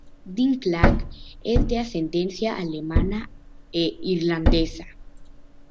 Dinklage es de ascendencia alemana e irlandesa.